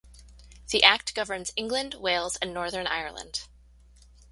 The Act governs England, Wales and Northern Ireland.